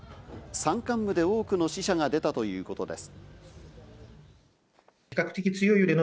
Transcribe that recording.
山間部で多くの死者が出たということです。